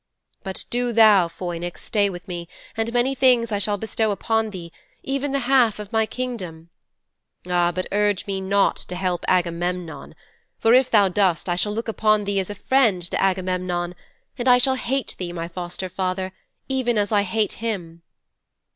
But do thou, Phoinix, stay with me, and many things I shall bestow upon thee, even the half of my kingdom. Ah, but urge me not to help Agamemnon, for if thou dost I shall look upon thee as a friend to Agamemnon, and I shall hate thee, my foster father, as I hate him."'